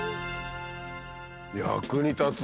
役に立つ。